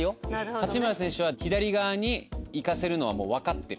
八村選手は、左側に行かせるのはもうわかってる。